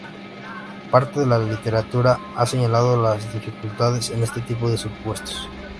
Parte de la literatura ha señalado las dificultades en este tipo de supuestos.